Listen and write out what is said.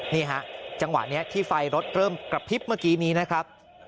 นี่ฮะจังหวะนี้ที่ไฟรถเริ่มกระพริบเมื่อกี้นี้นะครับ